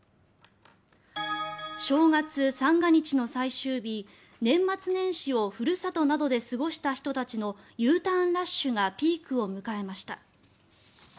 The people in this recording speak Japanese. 正月三が日の最終日、年末年始をふるさとなどで過ごした人たちのＵターンラッシュがピークを迎えました。